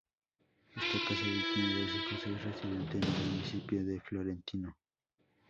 Está casado y tiene dos hijos, es residente en el municipio de Fiorentino.